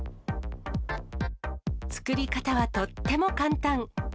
作り方はとっても簡単。